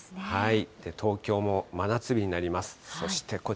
東京も真夏日になります。